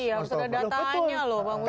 iya sudah dataannya loh pak musoka